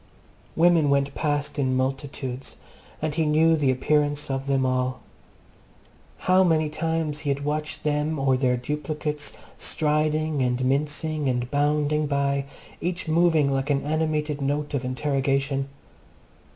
Women went past in multitudes, and he knew the appearance of them all. How many times he had watched them or their duplicates striding and mincing and bounding by, each moving like an animated note of interrogation!